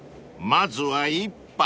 ［まずは一杯］